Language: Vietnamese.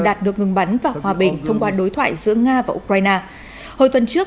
đạt được ngừng bắn và hòa bình thông qua đối thoại giữa nga và ukraine hồi tuần trước